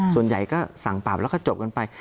ส่วนใหญ่ก็สั่งปรับแล้วก็จบกันไป